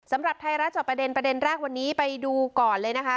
สำหรับไทยรัฐจอบประเด็นประเด็นแรกวันนี้ไปดูก่อนเลยนะคะ